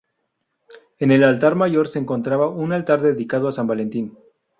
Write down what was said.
En el altar mayor se encontraba un altar dedicado a San Valentín.